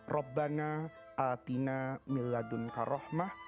rabbana atina milladunka rahmah